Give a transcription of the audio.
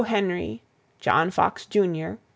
Henry, John Fox, Jr.